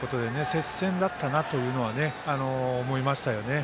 接戦だったなと思いましたよね。